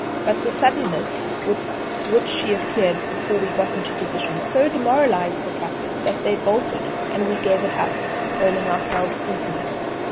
But the suddenness with which she appeared before we got into position so demoralised the kaffirs that they bolted, and we gave it up, owning ourselves beaten.